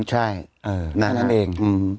ได้นั้นเอง